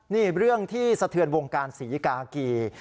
นี่เรื่องที่สะเทือนวงการศรีกากี